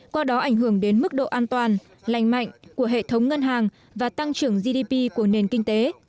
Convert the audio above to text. qua đó ảnh hưởng đến mức độ an toàn lành mạnh của hệ thống ngân hàng và tăng trưởng gdp của nền kinh tế